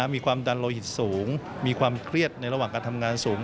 มีความดันโลหิตสูงมีความเครียดในระหว่างการทำงานสูง